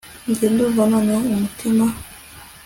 njye ndumva noneho umutima